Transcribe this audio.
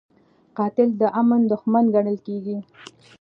قاتل د امن دښمن ګڼل کېږي